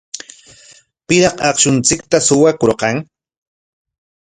¿Piraq akshunchikta suwakurqan?